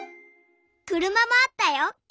くるまもあったよ。